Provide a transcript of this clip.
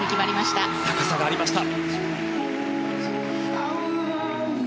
高さがありました。